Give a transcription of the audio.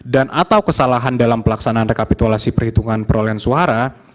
dan atau kesalahan dalam pelaksanaan rekapitulasi perhitungan perolehan suara